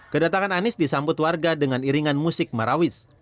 kedatangan anies disambut warga dengan iringan musik marawis